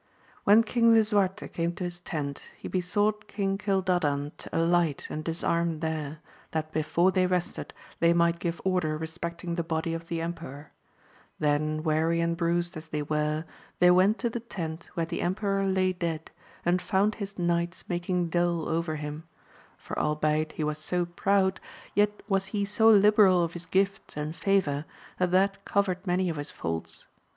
HEN King Lisuarte came to his tent, he be sought King Cildadan to alight and disarm there,' that before they rested they might give order respecting the body of the emperor ; then weary and bruised as they were, they went to the tent where the emperor lay dead, and found his knights making dole over him ; for albeit, he was so proud, yet was he so liberal of his gifts and favour that that covered many of his faults.